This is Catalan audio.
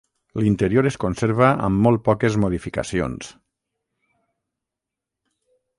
L’interior es conserva amb molt poques modificacions.